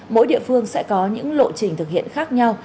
mỗi địa phương sẽ có những lộ trình thực hiện khác nhau